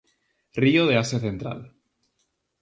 Río de Asia central.